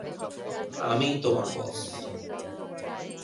আমিই তোমার বস!